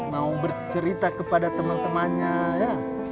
mau bercerita kepada teman temannya ya